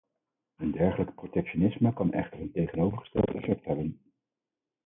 Een dergelijk protectionisme kan echter een tegenovergesteld effect hebben.